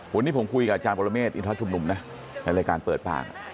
วันนี้ผมคุยกับอาจารย์ปรเมฆอินทรชุมนุมนะในรายการเปิดปาก